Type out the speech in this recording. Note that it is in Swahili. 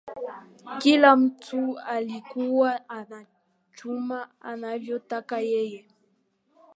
kila mtu alikuwa anachuma anavyotaka yeye